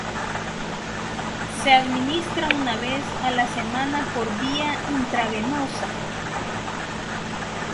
Se administra una vez a la semana por vía intravenosa.